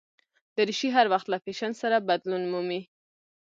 دریشي هر وخت له فېشن سره بدلون مومي.